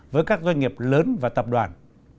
với các doanh nghiệp lớn và tập đoàn